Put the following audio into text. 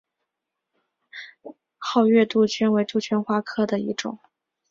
皋月杜鹃为杜鹃花科杜鹃花属下的一个种。